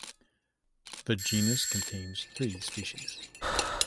The genus contains three species.